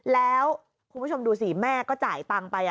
แล้วคุณผู้ชมดูสิแม่ก็จ่ายตังค์ไป